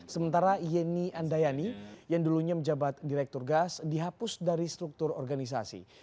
sementara yeni andayani yang dulunya menjabat direktur gas dihapus dari struktur organisasi